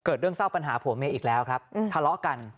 เรื่องเศร้าปัญหาผัวเมียอีกแล้วครับทะเลาะกัน